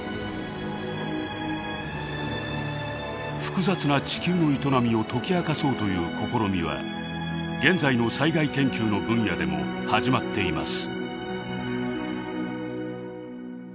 複雑な地球の営みを解き明かそうという試みは現在の災害研究の分野でも始まっています。